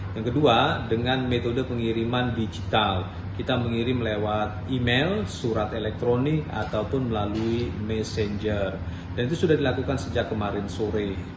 yang kedua dengan metode pengiriman digital kita mengirim lewat email surat elektronik ataupun melalui messenger dan itu sudah dilakukan sejak kemarin sore